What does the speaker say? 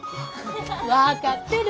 分かってる。